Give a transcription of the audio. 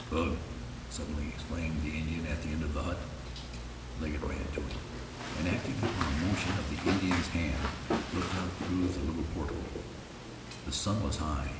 "Ugh!" suddenly exclaimed the Indian at the end of the hut. Legget ran to him, and acting upon a motion of the Indian's hand, looked out through the little port hole. The sun was high.